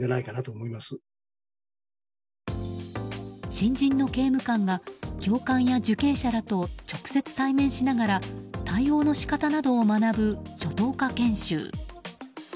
新人の刑務官が、教官や受刑者らと直接対面しながら対応の仕方などを学ぶ初等科研修。